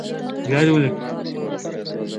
ازادي راډیو د سوله په اړه د مینه والو لیکونه لوستي.